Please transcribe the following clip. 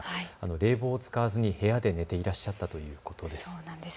冷房を使わずに部屋で寝ていらっしゃったということです。